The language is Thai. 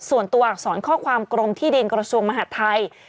ส่วนตัวอักษรข้อความกรมที่ดินกรชวมมหาทัย